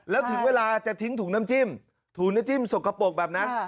แล้วถึงเวลาจะทิ้งถุงน้ำจิ้มถุงน้ำจิ้มสกปรกแบบนั้น